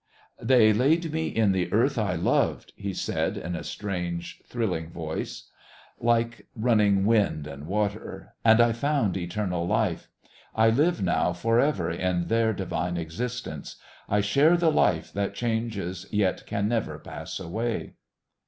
"They laid me in the earth I loved," he said in a strange, thrilling voice like running wind and water, "and I found eternal life. I live now for ever in Their divine existence. I share the life that changes yet can never pass away."